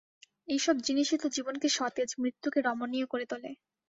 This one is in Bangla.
এই-সব জিনিসই তো জীবনকে সতেজ, মৃত্যুকে রমণীয় করে তোলে।